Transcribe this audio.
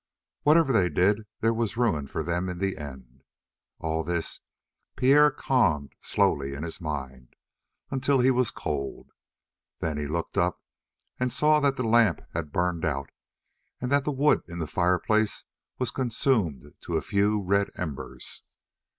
Whatever they did there was ruin for them in the end. All this Pierre conned slowly in his mind, until he was cold. Then he looked up and saw that the lamp had burned out and that the wood in the fireplace was consumed to a few red embers.